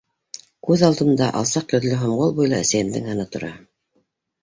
Күҙ алдымда алсаҡ йөҙлө, һомғол буйлы әсәйемдең һыны тора.